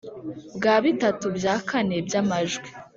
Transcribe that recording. Bwa bitatu bya kane by'amajwi